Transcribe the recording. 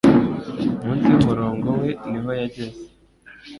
Munsi yumurongo we niho yageze